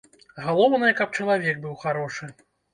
Галоўнае, каб чалавек быў харошы!